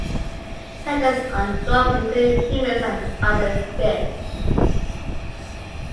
Predators on drum include humans and other fish.